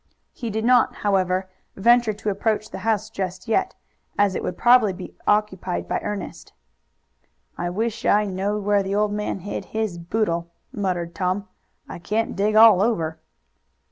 He did not, however, venture to approach the house just yet, as it would probably be occupied by Ernest. "I wish I knowed where the old man hid his boodle," muttered Tom. "I can't dig all over."